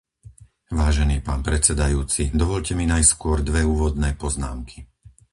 Vážený pán predsedajúci, dovoľte mi najskôr dve úvodné poznámky.